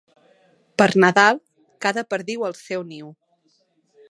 Per Nadal, cada perdiu al seu niu.